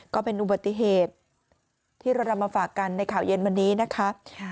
ก็เป็นอุบัติเหตุที่เรานำมาฝากกันในข่าวเย็นวันนี้นะคะ